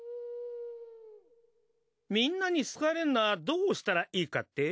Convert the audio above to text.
みんなに好かれるにはどうしたらいいかって？